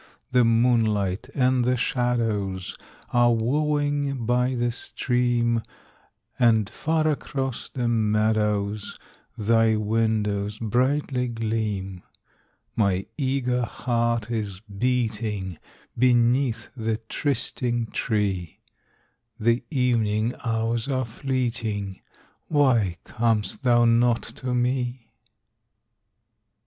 The moonlight and the shadows Are wooing by the stream, And far across the meadows Thy windows brightly gleam. My eager heart is beating Beneath the trysting tree, The evening hours are fleeting, Why com'st thou not to me?